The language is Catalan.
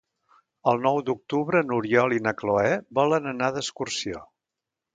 El nou d'octubre n'Oriol i na Cloè volen anar d'excursió.